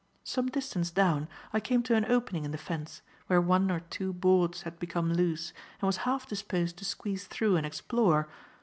Some distance down, I came to an opening in the fence, where one or two boards had become loose, and was half disposed to squeeze through and explore.